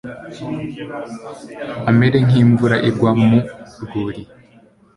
amere nk’imvura igwa mu rwuri